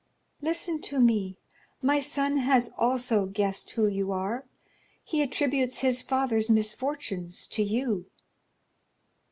"Listen to me, my son has also guessed who you are,—he attributes his father's misfortunes to you."